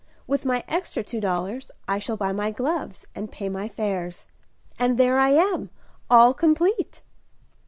With my extra two dollars I shall buy my gloves, and pay my fares, and there I am, all complete."